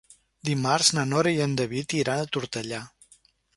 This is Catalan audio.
Dimarts na Nora i en David iran a Tortellà.